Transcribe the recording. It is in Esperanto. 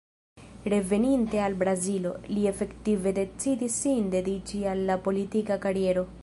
Reveninte al Brazilo, li efektive decidis sin dediĉi al la politika kariero.